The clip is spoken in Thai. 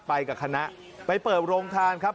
ไปกับคณะไปเปิดโรงทานครับ